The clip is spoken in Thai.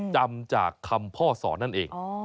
จำจากคำพ่อสอนนั่นเอง